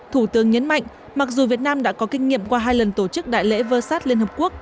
thủ tướng nhấn mạnh mặc dù việt nam đã có kinh nghiệm qua hai lần tổ chức đại lễ vơ sát liên hợp quốc